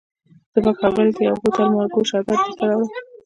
زه به ښاغلي ته یو بوتل مارګو شربت درته راوړم.